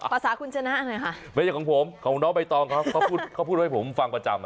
ภาษาคุณชนะหน่อยค่ะไม่ใช่ของผมของน้องใบตองเค้าพูดให้ผมฟังประจำ